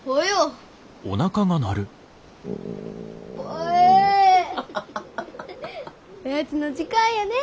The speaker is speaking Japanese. おやつの時間やね。